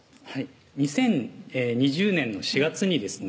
２０２０年の４月にですね